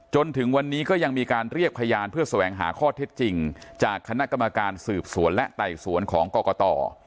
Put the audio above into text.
จนถึงวันนี้ก็ยังมีการเรียกพยานเพื่อแสวงหาข้อเท็จจริงจากคณะกรรมการสืบสวนและไต่สวนของกรกต